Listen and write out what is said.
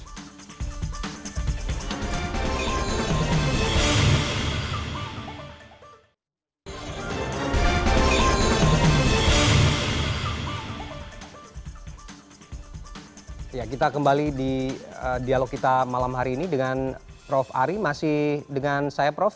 ya kita kembali di dialog kita malam hari ini dengan prof ari masih dengan saya prof